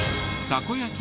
たこ焼き？